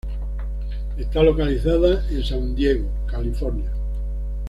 Está localizada en en San Diego, California.